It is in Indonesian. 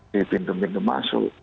di pintu pintu masuk